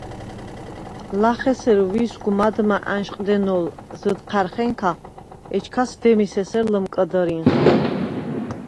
ლახ ესერ ვისგ მადმა ა̈ნშყდენოლ ზჷთჴა̈რხენქა, ეჩქას დემის ესერ ლჷმკჷდჷრინხ.